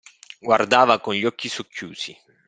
Guardava con gli occhi socchiusi.